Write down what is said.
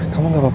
kau gak apa apa